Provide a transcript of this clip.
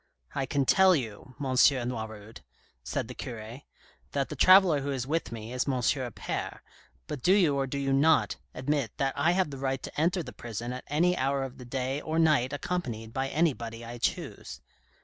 " I can tell you, M. Noiroud," said the cure, " that the traveller who is with me is M. Appert, but do you or do you not admit that I have the right to enter the prison at any hour of the day or night accompanied by anybody I choose